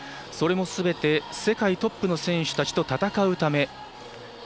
それもすべて世界トップの選手たちと戦うため。